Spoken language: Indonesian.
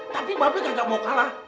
tapi bapak gak mau kalah